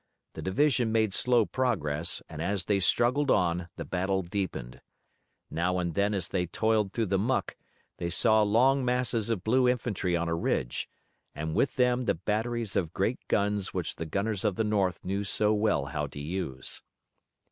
The division made slow progress and as they struggled on the battle deepened. Now and then as they toiled through the muck they saw long masses of blue infantry on a ridge, and with them the batteries of great guns which the gunners of the North knew so well how to use.